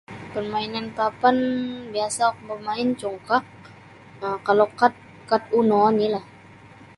Parmainan papan biasa oku bamain congkak kalau kat kat uno onilah.